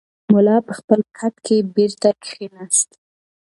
ملا په خپل کټ کې بېرته کښېناست.